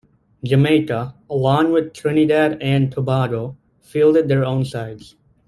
Jamaica, along with Trinidad and Tobago, fielded their own sides.